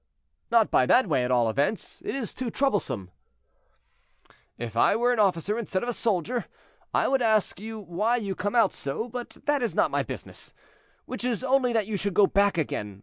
"Not by that way, at all events; it is too troublesome." "If I were an officer instead of a soldier, I would ask you why you come out so; but that is not my business, which is only that you should go back again.